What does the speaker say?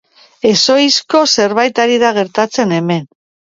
Ezohiko zerbait ari da gertatzen hemen.